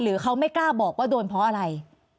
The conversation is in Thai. เขาไม่กล้าบอกว่าโดนเพราะอะไร